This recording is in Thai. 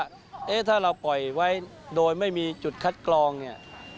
ว่าถ้าเราปล่อยไว้โดยไม่มีจุดคัดกรองเนี่ย